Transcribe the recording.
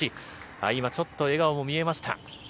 今、ちょっと笑顔も見えました。